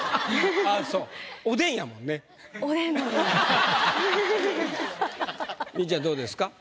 くーちゃんどうですか？